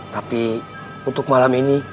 tapi untuk malam ini